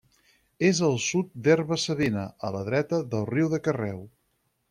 És al sud d'Herba-savina, a la dreta del riu de Carreu.